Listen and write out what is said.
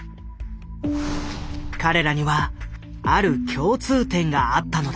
彼らにはある共通点があったのだ。